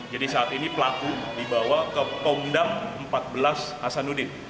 jadi saat ini pelaku dibawa ke pondam empat belas hasanuddin